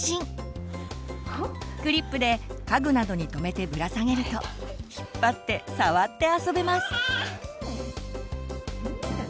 クリップで家具などにとめてぶらさげると引っ張って触って遊べます。